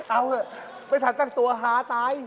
เอาเถอะไม่ทันตั้งตัวหาตาย